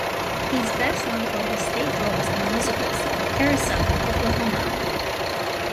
He is best known for his stage roles in the musicals "Carousel", "Oklahoma!